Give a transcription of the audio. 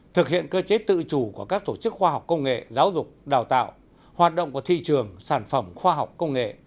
thực hiện cơ chế tự chủ của các tổ chức khoa học công nghệ giáo dục đào tạo hoạt động của thị trường sản phẩm khoa học công nghệ